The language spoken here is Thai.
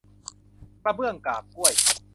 กระเบื้องกาบกล้วย